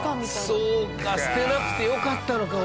そうか捨てなくてよかったのか！